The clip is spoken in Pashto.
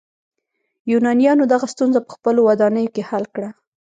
یونانیانو دغه ستونزه په خپلو ودانیو کې حل کړه.